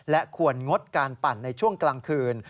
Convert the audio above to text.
และควรงดการปั่นในช่วงกลางคืน